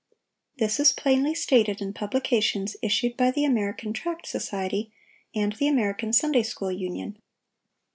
This is plainly stated in publications issued by the American Tract Society and the American Sunday school Union.